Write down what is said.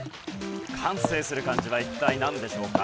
完成する漢字は一体なんでしょうか？